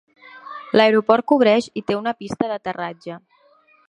L'aeroport cobreix i té una pista d'aterratge.